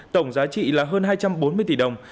tổng giá trị là hơn hai trăm bốn mươi tỷ đồng